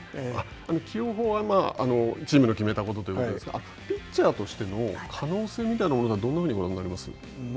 起用法はチームの決めたことということで、ピッチャーとしての可能性みたいなものはどのようにご覧になります。